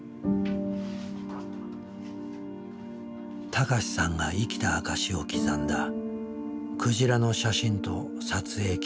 孝さんが生きた証しを刻んだクジラの写真と撮影記録。